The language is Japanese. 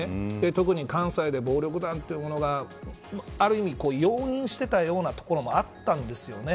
特に関西で暴力団というものがある意味容認していたようなところもあったんですよね。